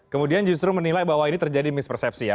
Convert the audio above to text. kemudian justru menilai bahwa ini terjadi mispersepsi ya